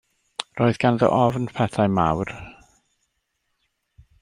Roedd ganddo ofn pethau mawr.